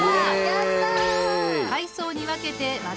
やった！